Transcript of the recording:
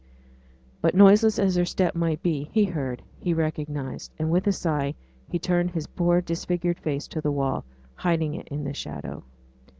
But noiseless as her step might be, he heard, he recognized, and with a sigh he turned his poor disfigured face to the wall, hiding it in the shadow.